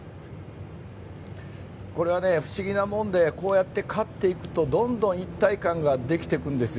これはね、不思議なものでこうやって勝っていくとどんどん一体感ができてくるんですよ。